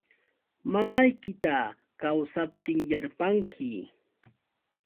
Mamaykita kawsaptinyarpanki.